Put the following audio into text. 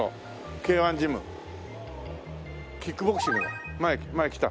キックボクシングだ前来た。